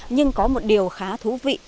nhưng có một điều khá thú vị